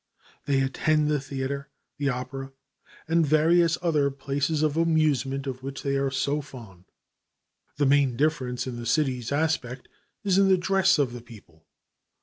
They attend the theater, the opera and the various other places of amusement of which they are so fond. The main difference in the city's aspect is in the dress of the people.